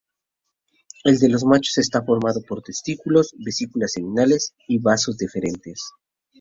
El de los machos está formado por testículos, vesículas seminales y vasos deferentes.